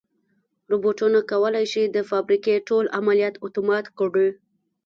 روبوټونه کولی شي د فابریکې ټول عملیات اتومات کړي.